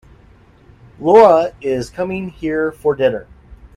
Lara is coming here for dinner.